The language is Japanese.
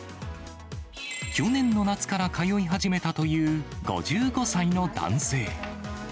去年の夏から通い始めたという５５歳の男性。